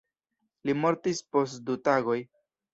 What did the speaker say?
Li mortis post du tagoj.